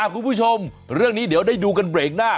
คุณผู้ชมเรื่องนี้เดี๋ยวได้ดูกันเบรกหน้า